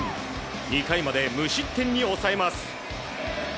２回まで無失点に抑えます。